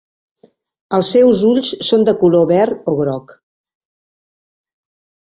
Els seus ulls són de color verd o groc.